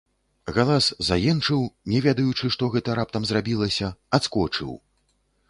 Галас заенчыў, не ведаючы, што гэта раптам зрабілася, адскочыў.